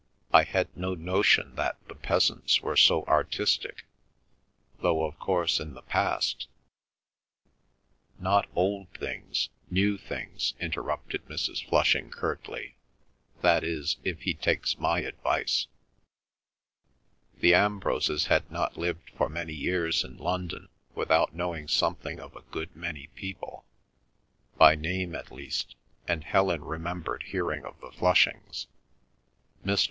I had no notion that the peasants were so artistic—though of course in the past—" "Not old things—new things," interrupted Mrs. Flushing curtly. "That is, if he takes my advice." The Ambroses had not lived for many years in London without knowing something of a good many people, by name at least, and Helen remembered hearing of the Flushings. Mr.